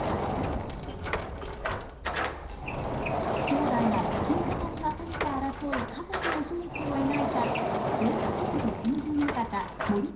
兄弟が敵味方に分かれて争う家族の悲劇を描いた「近江源氏先陣館盛綱陣屋」。